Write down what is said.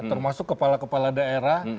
termasuk kepala kepala daerah